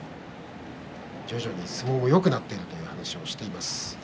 徐々に相撲がよくなっているという話をしています。